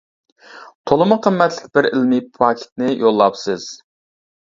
تولىمۇ قىممەتلىك بىر ئىلمى پاكىتنى يوللاپسىز.